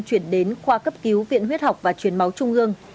chuyển đến khoa cấp cứu viện huyết học và truyền máu trung ương